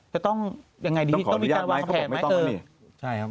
จะต้องยังไงดีต้องมีการวางแผนไหม